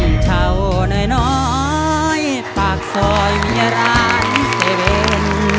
ห้องเฉาหน่อยปากซอยเมียร้านเซเบน